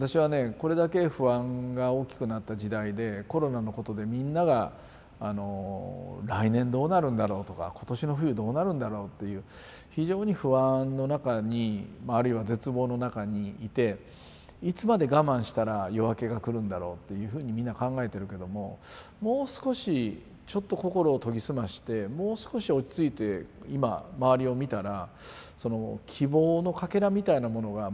これだけ不安が大きくなった時代でコロナのことでみんなが来年どうなるんだろうとか今年の冬どうなるんだろうっていう非常に不安の中にあるいは絶望の中にいていつまで我慢したら夜明けが来るんだろうっていうふうにみんな考えてるけどももう少しちょっと心を研ぎ澄ましてもう少し落ち着いて今周りを見たら希望のかけらみたいなものがもう始まってるんじゃないか。